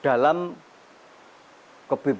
dalam kebebasan apapun masih itu kebawah itu